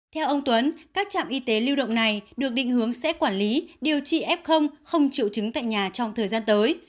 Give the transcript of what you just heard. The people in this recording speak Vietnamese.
theo ông tuấn các trạm y tế lưu động này được định hướng sẽ quản lý điều trị f không triệu chứng tại nhà trong thời gian tới